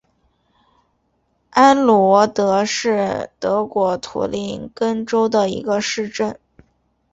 安罗德是德国图林根州的一个市镇。